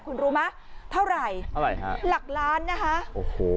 คุณรู้ไหมเท่าไหร่เท่าไหร่ฮะหลักล้านนะคะโอ้โห